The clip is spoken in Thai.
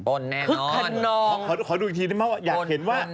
โป่นแน่นอนขึ้นขนองโป่นแน่นอนขอดูอีกทีได้ไหมว่าอยากเห็นว่า